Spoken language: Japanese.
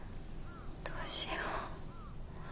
どうしよう。